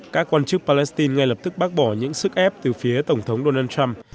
các quan chức palestine ngay lập tức bác bỏ những sức ép từ phía tổng thống donald trump